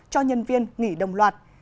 cho nhân viên nghỉ đồng loạt